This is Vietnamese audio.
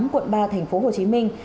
quận ba thành phố hồ chí minh